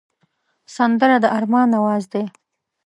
سندره د ارمان آواز دی